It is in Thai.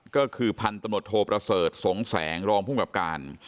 ก็คือพันธโทประเสริฐสงแสงรองภูมิกับการ